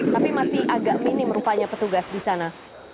tapi masih agak minim rupanya petugas di sana